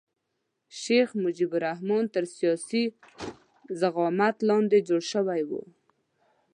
د شیخ مجیب الرحمن تر سیاسي زعامت لاندې جوړ شوی وو.